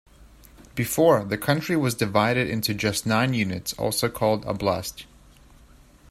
Before, the country was divided into just nine units, also called "oblast".